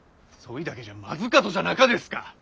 そいだけじゃまずかとじゃなかですか？